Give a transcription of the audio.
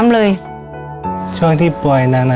โรค